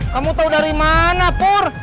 kamu tau dari mana pur